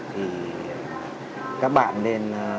thì các bạn nên